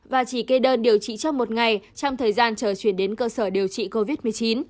và chỉ kê đơn điều trị trong một ngày trong thời gian chờ chuyển đến cơ sở điều trị covid một mươi chín